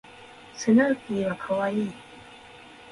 スヌーピーは可愛い